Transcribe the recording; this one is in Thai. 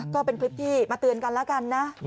ก็เป็นคลิปที่มาเตือนกันแล้วกันนะ